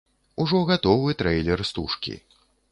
Ужо гатовы трэйлер стужкі.